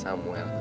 sampai jumpa lagi